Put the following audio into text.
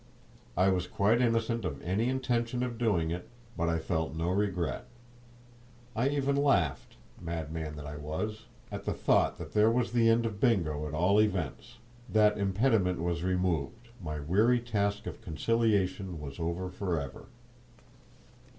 I was quite innocent of any intention of doing it, but I felt no regret. I even laughed—madman that I was—at the thought that there was the end of Bingo, at all events; that impediment was removed; my weary task of conciliation was over for ever!